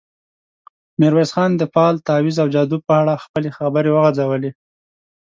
ميرويس خان د فال، تاويذ او جادو په اړه خپلې خبرې وغځولې.